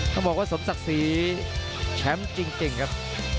ต้องบอกว่าสมศักดิ์ศรีแชมป์จริงครับ